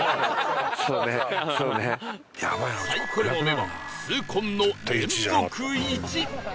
サイコロの目は痛恨の連続「１」